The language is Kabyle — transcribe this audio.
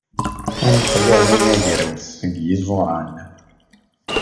Aneqluɛ n unagraw seg yiẓuran.